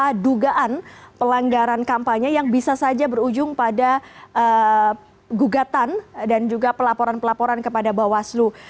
ada dugaan pelanggaran kampanye yang bisa saja berujung pada gugatan dan juga pelaporan pelaporan kepada bawaslu